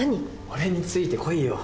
俺についてこいよ。